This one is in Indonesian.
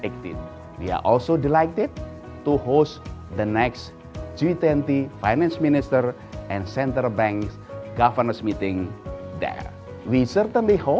kami juga senang untuk menjalani pertemuan pemerintah dan pemerintah ganteng g dua puluh di sana